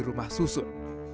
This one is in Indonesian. di rumah susun